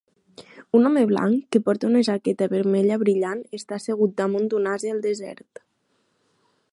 Un home blanc que porta una jaqueta vermella brillant està assegut damunt d'un ase al desert.